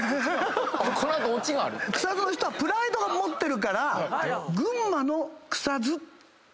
草津の人はプライドを持ってるから。